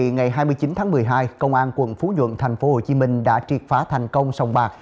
ngày hai mươi chín tháng một mươi hai công an quận phú nhuận thành phố hồ chí minh đã triệt phá thành công sòng bạc